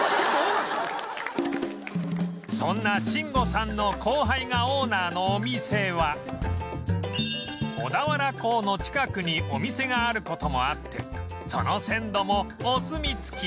そんな慎吾さんの後輩がオーナーのお店は小田原港の近くにお店がある事もあってその鮮度もお墨付き